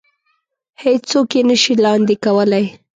هېڅ څوک يې نه شي لاندې کولی.